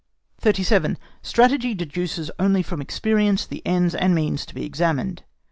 37. STRATEGY DEDUCES ONLY FROM EXPERIENCE THE ENDS AND MEANS TO BE EXAMINED.